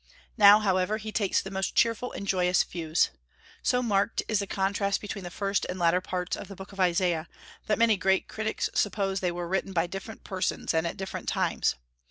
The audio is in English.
Now, however, he takes the most cheerful and joyous views. So marked is the contrast between the first and latter parts of the Book of Isaiah, that many great critics suppose that they were written by different persons and at different times.